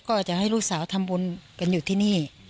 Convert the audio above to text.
ก็จะให้ลูกสาวทำบุญกันอยู่ที่นี่